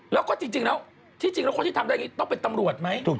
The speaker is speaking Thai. แล้วก็จริงแล้วที่จริงแล้วคนที่ทำได้อย่างนี้ต้องเป็นตำรวจไหม